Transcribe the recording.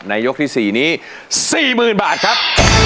ยกที่๔นี้๔๐๐๐บาทครับ